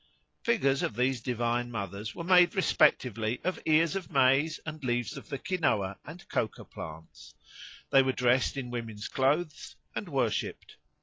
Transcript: Figures of these divine mothers were made respectively of ears of maize and leaves of the quinoa and coca plants; they were dressed in women's clothes and worshipped.